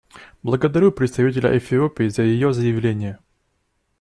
Благодарю представителя Эфиопии за ее заявление.